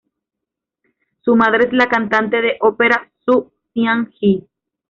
Su madre es la cantante de opera Xu Xian-ji.